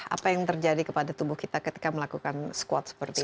apa yang terjadi kepada tubuh kita ketika melakukan squad seperti ini